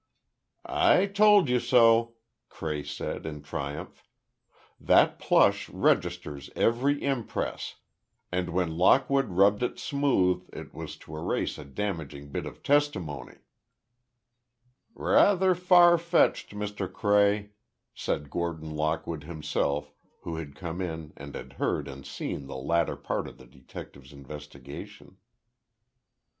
"I told you so!" Cray said, in triumph. "That plush registers every impress, and when Lockwood rubbed it smooth it was to erase a damaging bit of testimony." "Rather far fetched, Mr. Cray," said Gordon Lockwood himself, who had come in and had heard and seen the latter part of the detective's investigation.